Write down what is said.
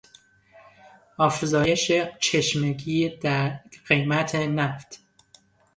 افزایش چشمگیر در قیمت نفت